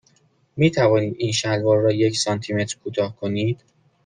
می توانید این شلوار را یک سانتی متر کوتاه کنید؟